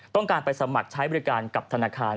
ต้องการไปสมัครใช้บริการกับธนาคาร